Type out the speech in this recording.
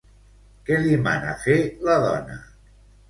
Què li mana fer la dona?